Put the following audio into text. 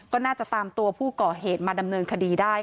ก็น่าจะตามตัวผู้ก่อเหตุมาดำเนินคดีได้